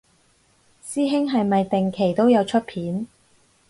師兄係咪定期都有出片